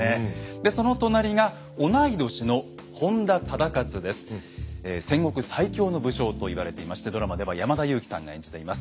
でその隣が同い年の「戦国最強の武将」と言われていましてドラマでは山田裕貴さんが演じています。